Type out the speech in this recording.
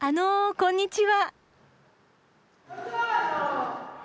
こんにちは。